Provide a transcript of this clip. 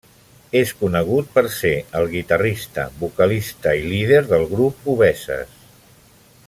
És conegut per ser el guitarrista, vocalista i líder del grup Obeses.